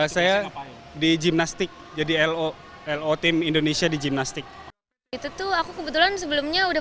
saya di gimnastik jadi lo lo tim indonesia di gimnastik itu tuh aku kebetulan sebelumnya udah